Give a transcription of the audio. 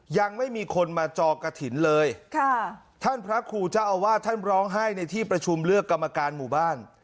ยังไม่มีคนมาจอกฐินเลยค่ะท่านพระครูเจ้าอาวาสท่านร้องไห้ในที่ประชุมเลือกกรรมการหมู่บ้าน